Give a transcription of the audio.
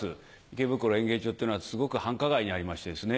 池袋演芸場ってのはすごく繁華街にありましてですね